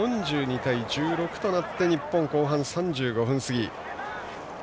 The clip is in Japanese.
４２対１６となって日本、後半３５分過ぎ。